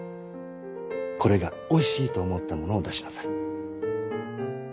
これがおいしいと思ったものを出しなさい。